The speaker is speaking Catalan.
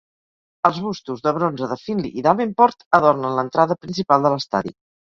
Els bustos de bronze de Finley i Davenport adornen l'entrada principal de l'estadi.